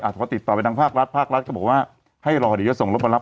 พอติดต่อไปทางภาครัฐภาครัฐก็บอกว่าให้รอเดี๋ยวจะส่งรถมารับ